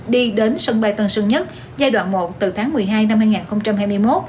đi đến sân bay tân sơn nhất giai đoạn một từ tháng một mươi hai năm hai nghìn hai mươi một